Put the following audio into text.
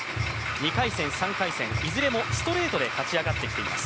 ２回戦、３回戦、いずれもストレートで勝ち上がってきています。